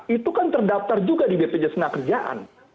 itu kan terdaftar juga di bpjs tenaga kerjaan